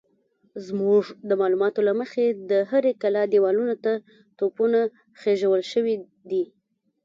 زموږ د معلوماتو له مخې د هرې کلا دېوالونو ته توپونه خېژول شوي دي.